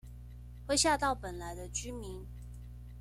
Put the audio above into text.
會嚇到本來的居民